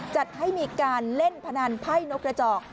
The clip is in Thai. จัดให้มีการเล่นพนันไพ่นกกระจอก